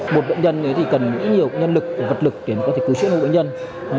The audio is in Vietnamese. một bệnh nhân thì cần nghĩ nhiều nhân lực và vật lực để có thể cứu chữa mũ bệnh nhân